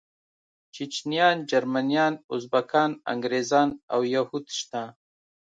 چيچنيايان، جرمنيان، ازبکان، انګريزان او يهود شته.